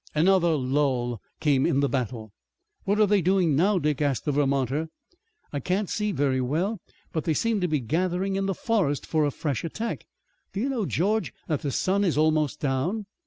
Another lull came in the battle. "What are they doing now, Dick?" asked the Vermonter. "I can't see very well, but they seem to be gathering in the forest for a fresh attack. Do you know, George, that the sun is almost down?"